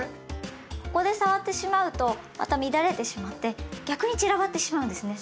ここで触ってしまうとまた乱れてしまって逆に散らばってしまうんですね。